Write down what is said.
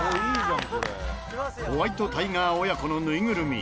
ホワイトタイガー親子のぬいぐるみ。